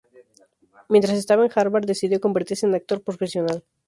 Mientras estaba en Harvard decidió convertirse en actor profesional.